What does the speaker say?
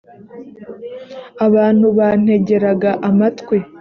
abantu bantegeraga amatwi